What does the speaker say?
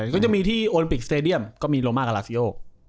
ก็จะมีที่โอลิมปิกสเตดียมก็มีโลมากับลาซิโอ